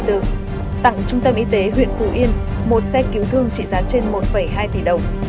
tặng trung tâm y tế huyện phù yên một xe cứu thương trị giá trên một hai tỷ đồng